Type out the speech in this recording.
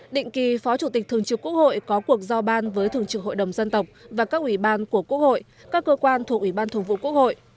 định kỳ phó chủ tịch thường trực quốc hội có cuộc giao ban với thường trực hội đồng dân tộc và các ủy ban của quốc hội các cơ quan thuộc ủy ban thường vụ quốc hội